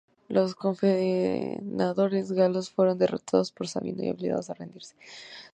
Los confederados galos fueron derrotados por Sabino, y obligados a rendirse.